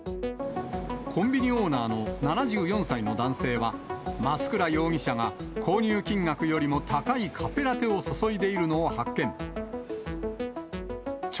コンビニオーナーの７４歳の男性は、増倉容疑者が購入金額よりも高いカフェラテを注いでいるのを発見。